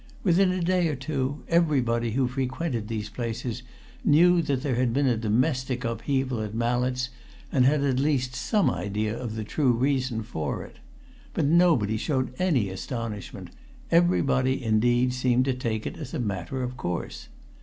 Within a day or two, everybody who frequented these places knew that there had been a domestic upheaval at Mallett's and had at least some idea of the true reason of it. But nobody showed any astonishment; everybody, indeed, seemed to take it as a matter of course.